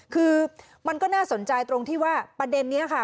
คือมันก็น่าสนใจตรงที่ว่าประเด็นนี้ค่ะ